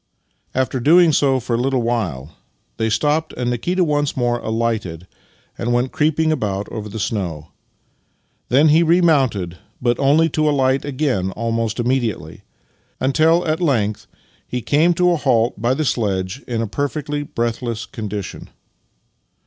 After doing so for a Httle while they stopped, and Nikita once more alighted and went creeping about over the snow. Then he remounted, but only to ahght again almost immediately; until at length he came to a halt by the sledge in a perfectly breathless condition.